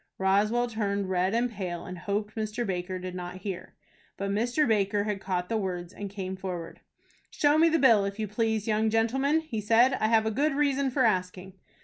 Roswell turned red and pale, and hoped Mr. Baker did not hear. But Mr. Baker had caught the words, and came forward. "Show me the bill, if you please, young gentleman," he said. "I have a good reason for asking."